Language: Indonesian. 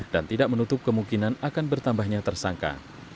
dan tidak menutup kemungkinan akan bertambahnya tersangka